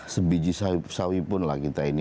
sebiji sawi pun lah kita ini